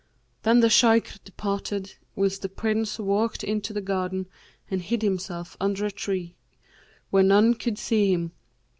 Then the Shaykh departed whilst the Prince walked into the garden and hid himself under a tree, where none could see him.